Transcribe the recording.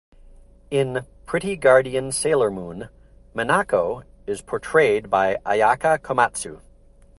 In "Pretty Guardian Sailor Moon", Minako is portrayed by Ayaka Komatsu.